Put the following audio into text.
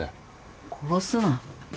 殺すな。